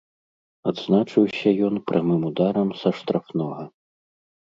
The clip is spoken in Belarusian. Адзначыўся ён прамым ударам са штрафнога.